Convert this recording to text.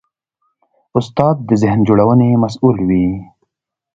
استاد د ذهن جوړونې مسوول وي.